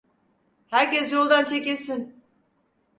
Herkes yoldan çekilsin!